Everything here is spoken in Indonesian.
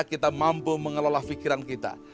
kita mampu mengelola pikiran kita